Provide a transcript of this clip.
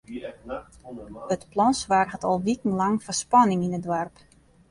It plan soarget al wikenlang foar spanning yn it doarp.